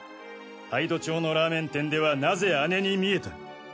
杯戸町のラーメン店では何故姉に見えた？